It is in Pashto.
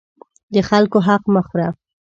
د خلکو حق مه خوره.